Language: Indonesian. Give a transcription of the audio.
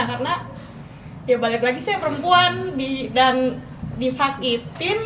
karena ya balik lagi saya perempuan dan disasihitin